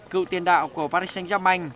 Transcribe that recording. cựu tiền đạo của paris saint germain